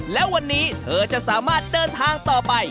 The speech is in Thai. และวันนี้เธอจะสามารถเดินทางต่อไป